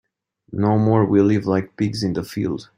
No more we live like pigs in the field.